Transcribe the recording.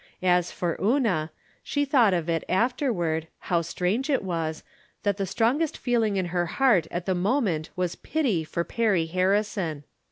As for Una, she thought of it after ward, how strange it was, that the strongest feel ing in her heart at the moment was pity for Perry Harrison.